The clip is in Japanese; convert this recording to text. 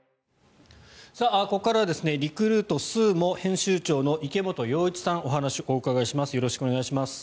ここからはリクルートＳＵＵＭＯ編集長の池本洋一さんにお話をお伺いします。